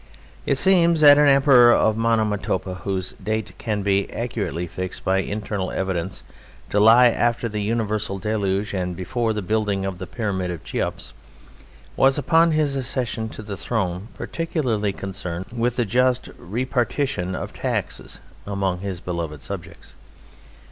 It seems that an Emperor of Monomotopa, whose date can be accurately fixed by internal evidence to lie after the universal deluge and before the building of the Pyramid of Cheops, was, upon his accession to the throne, particularly concerned with the just repartition of taxes among his beloved subjects.